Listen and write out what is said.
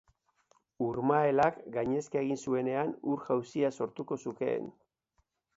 Urmaelak gainezka egin zuenean ur-jauzia sortuko zukeen.